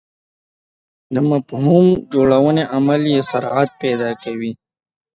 د مفهوم جوړونې عمل یې سرعت پیدا کوي.